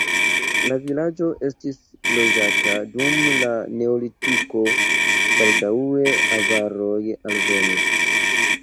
La vilaĝo estis loĝata dum la neolitiko, baldaŭe avaroj alvenis.